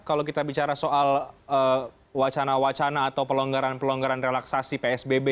kalau kita bicara soal wacana wacana atau pelonggaran pelonggaran relaksasi psbb